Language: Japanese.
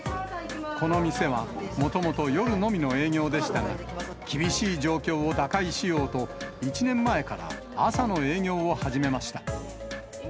この店は、もともと夜のみの営業でしたが、厳しい状況を打開しようと、１年前から朝の営業を始めました。